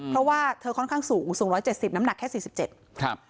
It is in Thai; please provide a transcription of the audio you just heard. เพราะว่าเธอค่อนข้างสูงสูง๑๗๐น้ำหนักแค่สี่สิบเจ็ดครับ